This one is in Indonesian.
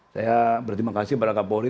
saya berterima kasih kepada kak poli